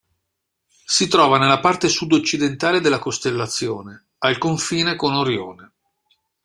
Si trova nella parte sudoccidentale della costellazione, al confine con Orione.